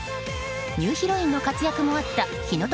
ニューヒロインの活躍もあった火の鳥